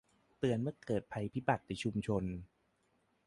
เตือนเมื่อเกิดภัยพิบัติในชุมชน